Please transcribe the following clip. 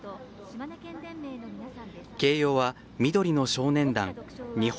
掲揚は、緑の少年団日本